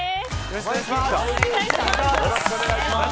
よろしくお願いします。